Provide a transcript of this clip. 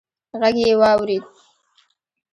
غږ يې واورېد: